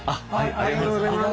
ありがとうございます。